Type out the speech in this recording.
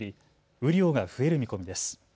雨量が増える見込みです。